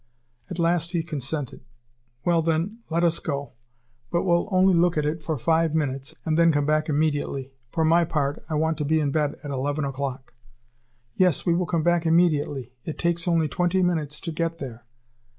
At last he consented: "Well, then, let us go! But we'll only look at it for five minutes, and then come back immediately. For my part, I want to be in bed at eleven o'clock." "Yes, we will come back immediately. It takes only twenty minutes to get there."